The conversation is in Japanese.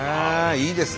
いいですね。